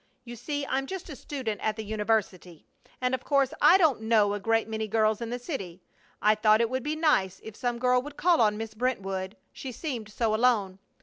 You see, I'm just a student at the university and of course I don't know a great many girls in the city. I thought it would be nice if some girl would call on Miss Brentwood; she seemed so alone.